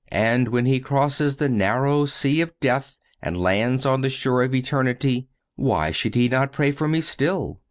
And when he crosses the narrow sea of death and lands on the shores of eternity, why should he not pray for me still?